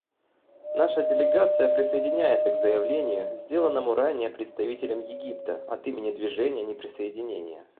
Наша делегация присоединяется к заявлению, сделанному ранее представителем Египта от имени Движения неприсоединения.